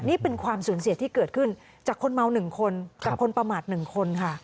นี่เป็นความสูญเสียที่เกิดขึ้นจากคนเมา๑คนกับคนประมาท๑คนค่ะ